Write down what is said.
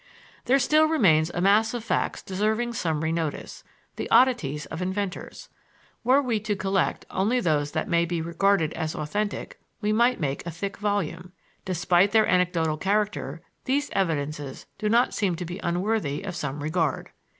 There still remains a mass of facts deserving summary notice the oddities of inventors. Were we to collect only those that may be regarded as authentic we could make a thick volume. Despite their anecdotal character these evidences do not seem to be unworthy of some regard.